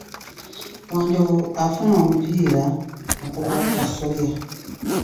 Wanjovu afuna omupiira okuva ku kasolya.